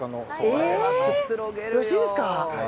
よろしいですか。